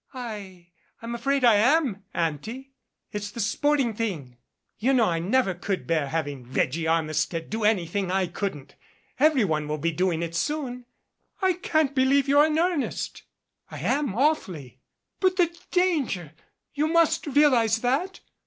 "I I'm afraid I am, Auntie. It's the sporting thing. THE INEFFECTUAL AUNT You knoT7 I never could bear having Reggie Armistead do anything I couldn't. Every one will be doing it soon." "I can't believe that you're in earnest." "I am, awfully." "But the danger ! You must realize that